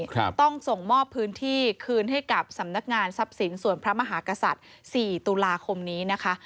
ต้องส่งมอบพื้นที่คืนให้กับสำนักงานทรัพย์สินส่วนพระมหากษัตริย์สี่ตุลาคมนี้นะคะ